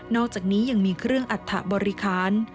อกจากนี้ยังมีเครื่องอัฐบริคาร